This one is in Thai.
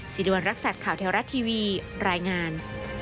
สิริวัณรักษัตริย์ข่าวแท้รัฐทีวีรายงาน